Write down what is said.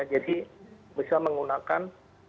ya jadi bisa menggunakan